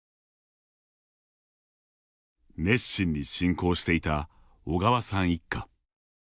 熱心に信仰していた小川さん一家。